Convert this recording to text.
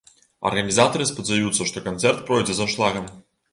Арганізатары спадзяюцца, што канцэрт пройдзе з аншлагам.